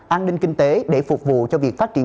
an ninh kinh tế để phục vụ cho việc phát triển